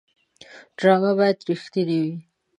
ډرامه باید رښتینې وي